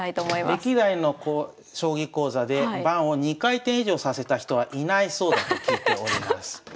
歴代の将棋講座で盤を２回転以上させた人はいないそうだと聞いております。